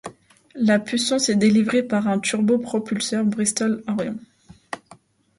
La puissance est délivrée par un turbopropulseur Bristol Orion.